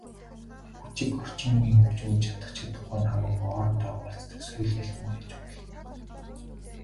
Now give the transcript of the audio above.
Бүжиг, орчин үеийн хөгжимд чадах чадахгүй нь хамаагүй хоорондоо хуваалцдаг соёл ялангуяа чухал.